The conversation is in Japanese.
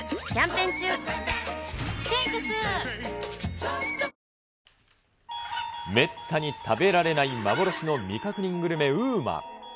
ペイトクめったに食べられない幻の未確認グルメ、ＵＭＡ。